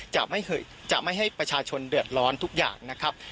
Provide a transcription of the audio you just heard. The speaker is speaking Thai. จะไม่ให้ประชาชนเดือดร้อนทุกอย่างนะครับ